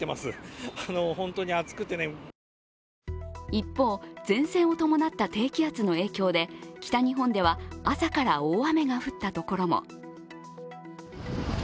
一方、前線を伴った低気圧の影響で北日本では朝から大雨が降ったところも。